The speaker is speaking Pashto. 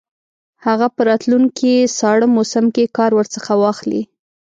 هغه په راتلونکي ساړه موسم کې کار ورڅخه واخلي.